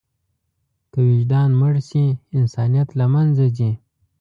که وجدان مړ شي، انسانیت له منځه ځي.